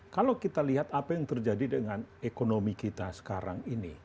kalau kita lihat apa yang terjadi dengan ekonomi kita sekarang ini